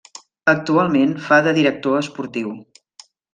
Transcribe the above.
Actualment fa de director esportiu.